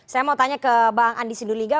saya mau tanya ke bang andi sinduliga